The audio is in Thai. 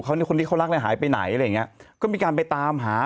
เขาเนี่ยคนที่เขารักแล้วหายไปไหนอะไรอย่างเงี้ยก็มีการไปตามหา